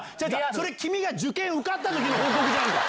それ、君が受験受かったときの報告じゃんか。